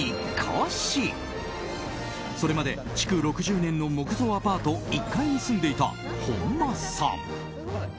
それまで築６０年の木造アパート１階に住んでいた本間さん。